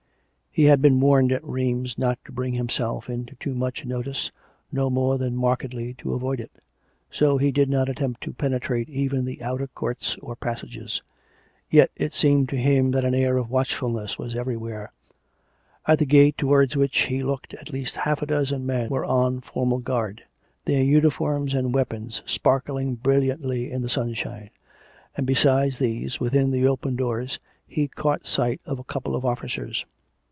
He had been warned at Rheims not to bring himself into too much notice, no more than mark edly to avoid it; so he did not attempt to penetrate even the outer courts or passages. Yet it seemed to him that an air of watchfulness was everywhere. At the gate to wards which he looked at least half a dozen men were on formal guard, their uniforms and weapons sparkling bril liantly in the sunshine; and besides these, within the open doors he caught sight of a couple of officers.